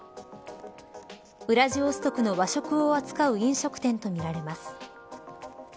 ウラジオストクの和食を扱う飲食店とみられます。